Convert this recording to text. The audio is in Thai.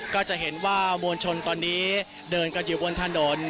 ก็จะเห็นว่ามวลชนตอนนี้เดินกันอยู่บนถนน